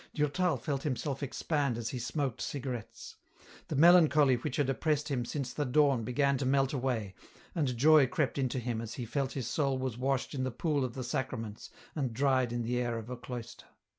Durtal felt himself expand as he smoked cigarettes ; the melancholy which had oppressed him since the dawn began to melt away, and joy crept into him as he felt his soul was washed in the pool of the Sacraments and dried in the air of a cloister.